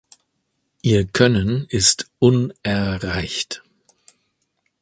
Ihr Können ist unerreicht.